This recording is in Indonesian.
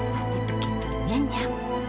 nanti begitu nya nya